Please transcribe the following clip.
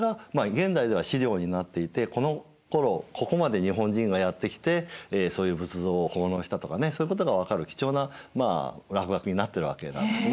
現代では史料になっていてこのころここまで日本人がやって来てそういう仏像を奉納したとかねそういうことが分かる貴重な落書きになってるわけなんですね。